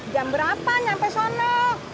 jam berapa nyampe sono